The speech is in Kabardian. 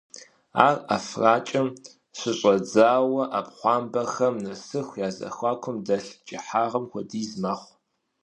Ар ӀэфракӀэм къыщыщӀэдзауэ Ӏэпхъуамбэпэхэм нэсыху я зэхуакум дэлъ кӀыхьагъым хуэдиз мэхъу.